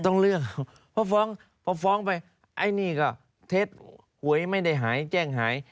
ต้องเลือกเพราะฟ้องไปไอ้นี่ก็เทสหวยไม่ได้หายแจ้งหาย